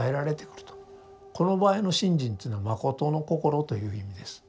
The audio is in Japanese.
この場合の信心というのは信心という意味です。